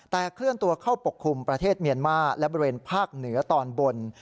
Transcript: แต่เคลื่อนตัวเข้าปกคลุมประเทศเมียนมาและบริเวณภาคเหนือตอนบน